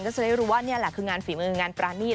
ก็จะได้รู้ว่านี่แหละคืองานฝีมืองานปรานีต